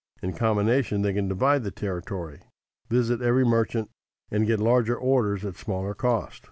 In combination they can divide the territory, visit every merchant and get larger orders at smaller cost.